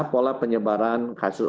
pola penyebaran kasus